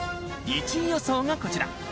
１位予想がこちら